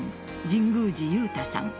神宮寺勇太さん。